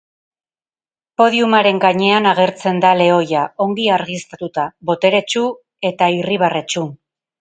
Podiumaren gainean agertzen da lehoia, ongi argiztatuta, boteretsu eta irribarretsu.